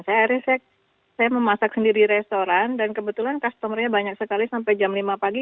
saya memasak sendiri restoran dan kebetulan customer nya banyak sekali sampai jam lima pagi